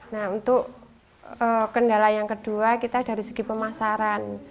nah untuk kendala yang kedua kita dari segi pemasaran